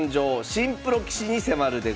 新プロ棋士に迫る！」でございます。